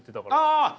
ああ！